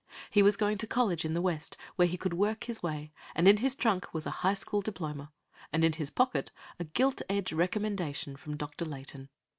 He was going to college in the West, where he could work his way, and in his trunk was a high school diploma, and in his pocket a "gilt edge recommendation" from Dr. Layton.